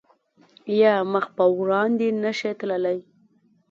یا مخ په وړاندې نه شی تللی